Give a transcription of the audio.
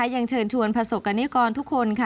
ยังเชิญชวนผสกกระนิกรทุกคน